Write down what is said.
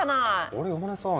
あれ山根さん